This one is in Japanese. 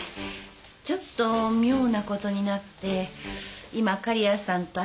ちょっと妙なことになって今狩矢さんと会ってきました。